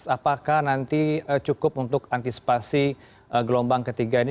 apakah nanti cukup untuk antisipasi gelombang ketiga ini